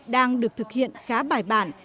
đang được thực hiện khá bài bản